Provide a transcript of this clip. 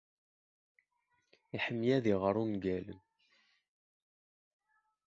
Iḥemmel ad iɣer ungalen.